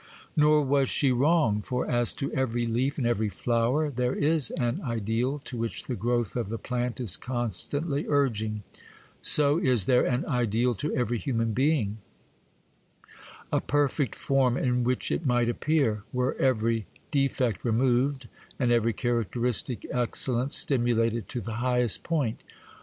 Nor was she wrong; for, as to every leaf and every flower there is an ideal to which the growth of the plant is constantly urging, so is there an ideal to every human being,—a perfect form in which it might appear, were every defect removed and every characteristic excellence stimulated to the highest point.